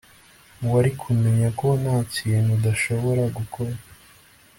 wari kumenya ko ntakintu udashobora gukora